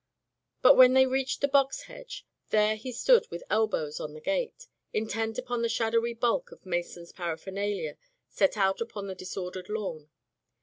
But when they reached the box hedge, there he stood with elbows on the gate, in tent upon the shadowy bulk of masons' para phernalia set out upon the disordered lawn.